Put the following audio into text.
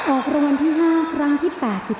ออกรางวัลที่๕ครั้งที่๘๔